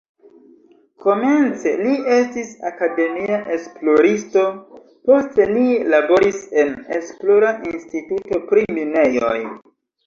Komence li estis akademia esploristo, poste li laboris en esplora instituto pri minejoj.